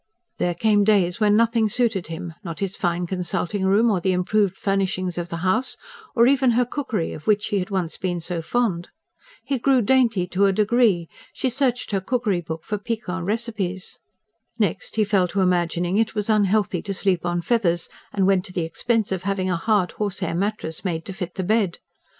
There came days when nothing suited him; not his fine consulting room, or the improved furnishings of the house, or even her cookery of which he had once been so fond. He grew dainty to a degree; she searched her cookery book for piquant recipes. Next he fell to imagining it was unhealthy to sleep on feathers, and went to the expense of having a hard horsehair mattress made to fit the bed.